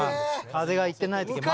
風がいってない時待つ。